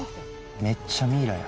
めっちゃミイラや。